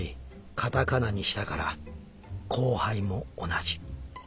カタカナにしたからコウハイも同じ」。